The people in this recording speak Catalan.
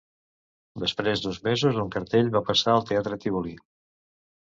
Després d'uns mesos en cartell va passar al Teatre Tívoli.